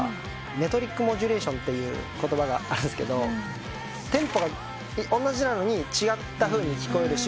メトリックモジュレーションっていう言葉があるんすけどテンポがおんなじなのに違ったふうに聞こえる瞬間。